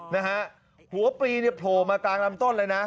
นะฮะหัวปลีเนี่ยโผล่มากลางลำต้นเลยนะ